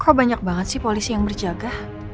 kok banyak banget sih polisi yang berjaga